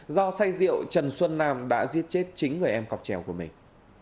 do say rượu trần xuân nam đã giết chết chính người em cọc trèo của mình